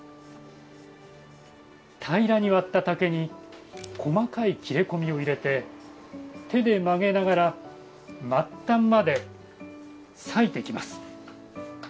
平らに割った竹に細かい切れ込みを入れて手で曲げながら末端まで割いていきます。